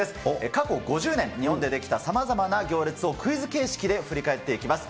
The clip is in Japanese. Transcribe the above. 過去５０年、日本で出来たさまざまな行列をクイズ形式で振り返っていきます。